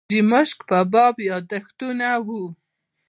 د حاجي ماشک په باب یاداښتونه و.